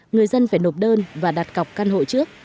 người dân phải nộp đơn và đặt cọc căn hộ trước